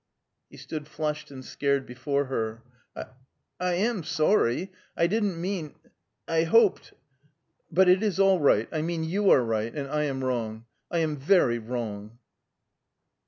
He stood flushed and scared before her. "I I am sorry. I didn't mean I hoped But it is all right I mean you are right, and I am wrong. I am very wrong."